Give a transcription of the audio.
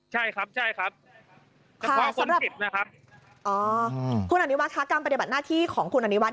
ใช่ครับใช่ครับเฉพาะคนเก็บนะครับอ๋อคุณอนิวัฒน์คะการปฏิบัติหน้าที่ของคุณอนิวัฒ